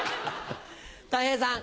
たい平さん。